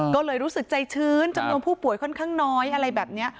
ก็เลยรู้สึกใจชื้นจำนวนผู้ป่วยค่อนข้างน้อยอะไรแบบนี้